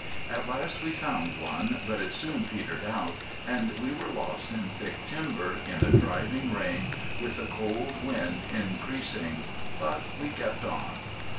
At last we found one, but it soon petered out, and we were lost in thick timber, in a driving rain, with the cold and wind increasing. But we kept on.